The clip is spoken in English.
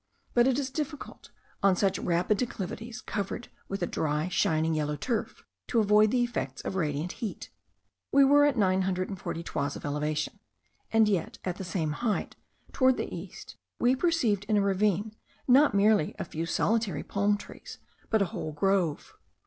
But it is difficult, on such rapid declivities, covered with a dry, shining, yellow turf, to avoid the effects of radiant heat. We were at nine hundred and forty toises of elevation; and yet at the same height, towards the east, we perceived in a ravine, not merely a few solitary palm trees, but a whole grove.